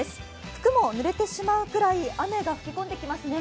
服もぬれてしまうぐらい、雨が吹き込んできますね。